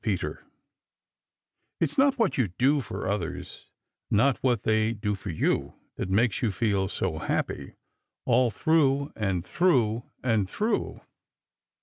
PETER It's what you do for others, Not what they do for you, That makes you feel so happy All through and through and through.